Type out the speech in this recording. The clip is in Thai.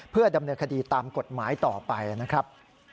เพื่อดำเนินคดีตามกฎหมายต่อไปนะครับ